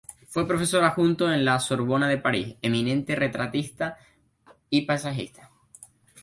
Fue profesor adjunto en La Sorbona de París, eminente retratista y paisajista.